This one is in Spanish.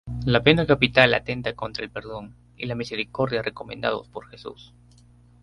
La pena capital atenta contra el perdón y la misericordia recomendados por Jesús.